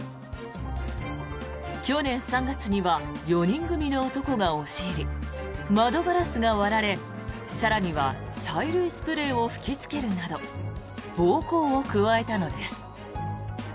去年３月には４人組の男が押し入り窓ガラスが割られ、更には催涙スプレーを吹きつけるなど暴行を加えたのです。